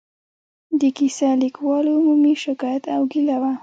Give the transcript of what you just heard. د کیسه لیکوالو عمومي شکایت او ګیله وه.